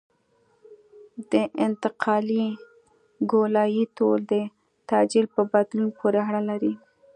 د انتقالي ګولایي طول د تعجیل په بدلون پورې اړه لري